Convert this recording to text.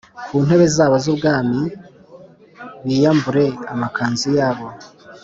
ku ntebe zabo z ubwami k biyambure amakanzu yabo